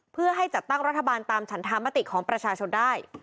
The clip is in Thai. เพื่อให้จัดตั้งรัฐบาลตามฉันธรรมติของประชาชนได้